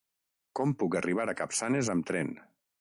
Com puc arribar a Capçanes amb tren?